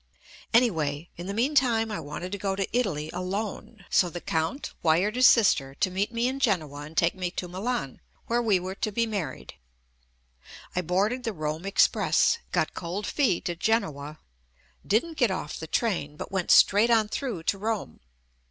Anyway, in fie meantime I wanted to go to Italy alone, so the Count wired his sister to meet me in Genoa and take me to Milan, where we were to be married. I boarded the Rome Express, got cold feet at Genoa, didn't get off the train, but went straight on through to Rome.